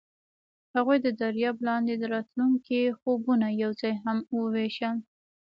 هغوی د دریاب لاندې د راتلونکي خوبونه یوځای هم وویشل.